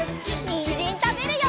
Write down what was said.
にんじんたべるよ！